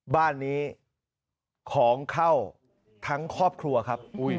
บ้านนี้ของเข้าทั้งครอบครัวครับ